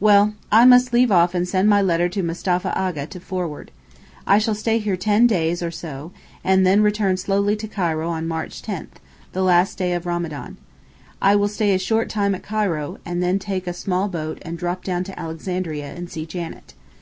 Well, I must leave off and send my letter to Mustapha Aga to forward. I shall stay here ten days or so, and then return slowly to Cairo on March 10, the last day of Ramadan. I will stay a short time at Cairo, and then take a small boat and drop down to Alexandria and see Janet.